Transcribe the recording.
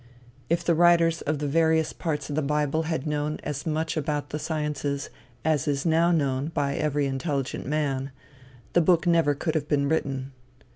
If the writers of the various parts of the bible had known as much about the sciences as is now known by every intelligent man, the book never could have been written.